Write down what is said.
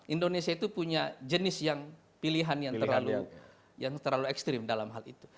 indonesia itu punya jenis yang pilihan yang terlalu ekstrim dalam hal itu